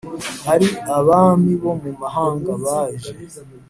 Ari abami bo mu mahanga baje